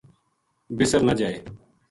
بِسر نہ جائے۔